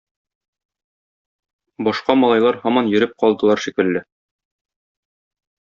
Башка малайлар һаман йөреп калдылар шикелле.